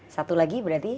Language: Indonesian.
satu lagi berarti